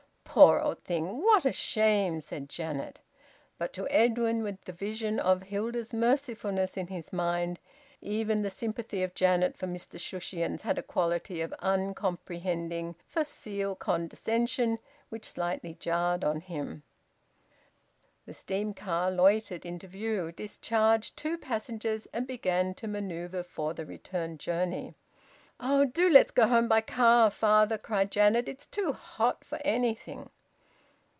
"Poor old thing! What a shame!" said Janet. But to Edwin, with the vision of Hilda's mercifulness in his mind, even the sympathy of Janet for Mr Shushions had a quality of uncomprehending, facile condescension which slightly jarred on him. The steam car loitered into view, discharged two passengers, and began to manoeuvre for the return journey. "Oh! Do let's go home by car, father!" cried Janet. "It's too hot for anything!"